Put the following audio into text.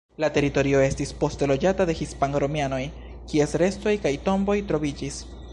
La teritorio estis poste loĝata de hispan-romianoj, kies restoj kaj tomboj troviĝis.